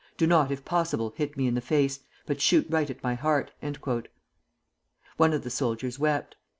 "Do not, if possible, hit me in the face, but shoot right at my heart." One of the soldiers wept.